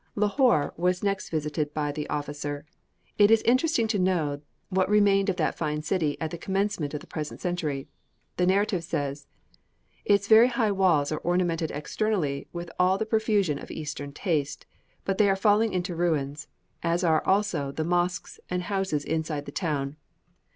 Lahore was next visited by the officer. It is interesting to know what remained of that fine city at the commencement of the present century. The narrative says: "Its very high walls are ornamented externally with all the profusion of Eastern taste, but they are falling into ruins, as are also the mosques and houses inside the town.